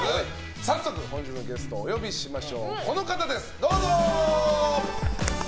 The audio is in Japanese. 早速本日のゲストお呼びしましょう。